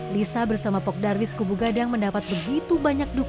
lisa bersama pok dardis kubu gadang mendapat begitu banyak dukungan